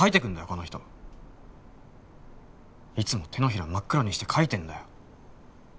この人いつも手のひら真っ黒にして描いてんだよ